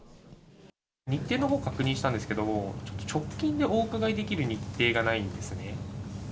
日程のほうを確認したんですけども、直近でお伺いできる日程がないんですね。